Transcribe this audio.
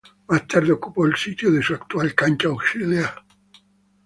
Más tarde ocupó el sitio de su actual cancha auxiliar.